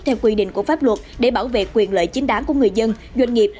theo quy định của pháp luật để bảo vệ quyền lợi chính đáng của người dân doanh nghiệp